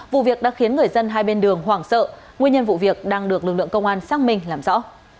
vụ việc đã khiến người dân hai bên đường hoảng sợ nguyên nhân vụ việc đang được lực lượng công an xác minh làm rõ